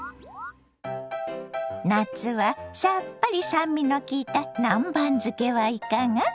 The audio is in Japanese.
夏はさっぱり酸味のきいた南蛮漬けはいかが？